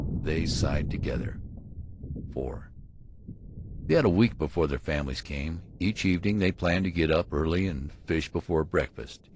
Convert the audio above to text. They sighed together. IV They had a week before their families came. Each evening they planned to get up early and fish before breakfast.